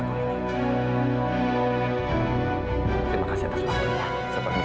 terima kasih atas waktunya